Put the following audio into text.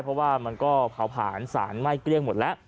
เพราะว่ามันก็เผาผลาญสารไหม้เกลี้ยงหมดแล้ว